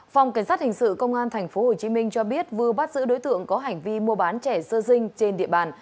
phòng cảnh sát hình sự công an tp hcm cho biết vừa bắt giữ đối tượng có hành vi mua bán trẻ sơ dinh trên địa bàn